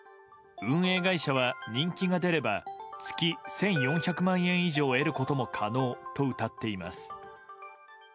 運営会社は人気が出れば月１４００万円以上得ることも可能とうたっています。